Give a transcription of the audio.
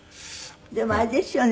でもあれですよね。